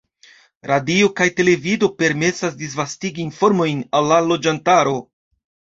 Radio kaj televido permesas disvastigi informojn al la loĝantaro.